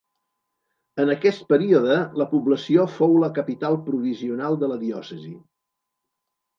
En aquest període, la població fou la capital provisional de la diòcesi.